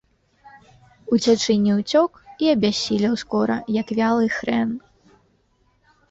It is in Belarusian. Уцячы не ўцёк і абяссілеў скора, як вялы хрэн.